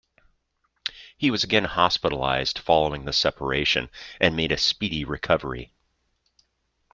He was again hospitalized following the separation, and made a speedy recovery.